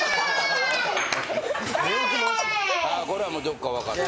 これはもうどっか分かった。